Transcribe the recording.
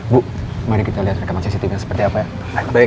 bu mari kita lihat rekaman cctv nya seperti apa ya